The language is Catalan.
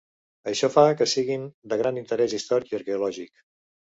Això fa que siguin de gran interès històric i arqueològic.